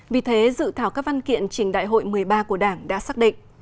vì thế dự thảo các văn kiện trình đại hội một mươi ba của đảng đã xác định